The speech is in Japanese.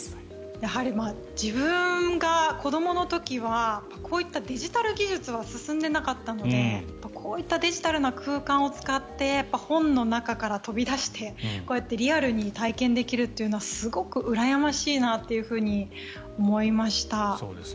やはり自分が子どもの時はこういったデジタル技術は進んでなかったので、こういったデジタルな空間を使って本の中から飛び出してこうやってリアルに体験できるのはすごくうらやましいなと思いました。